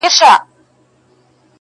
o دوه پکه، هغه هم سره ورکه.